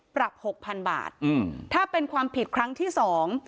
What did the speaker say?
หกพันบาทอืมถ้าเป็นความผิดครั้งที่สอง